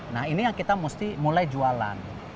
nah ini yang kita mesti mulai jualan